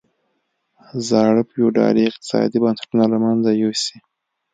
زاړه فیوډالي اقتصادي بنسټونه له منځه یوسي.